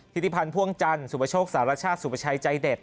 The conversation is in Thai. ธิติพันธ์พ่วงจันทร์สุประโชคสารชาติสุประชัยใจเด็ด